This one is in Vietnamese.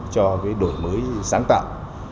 cho cái đổi mới sáng tạo